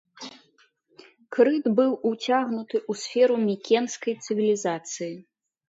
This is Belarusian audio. Крыт быў уцягнуты ў сферу мікенскай цывілізацыі.